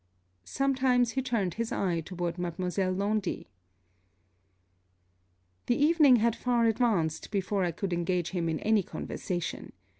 Sometimes he turned his eye toward Mademoiselle Laundy. The evening had far advanced before I could engage him in any conversation.